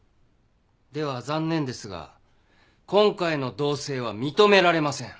では残念ですが今回の同棲は認められません。